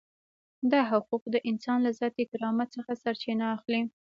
دا حقوق د انسان له ذاتي کرامت څخه سرچینه اخلي.